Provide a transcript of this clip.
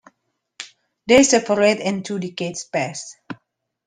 They separate and two decades pass.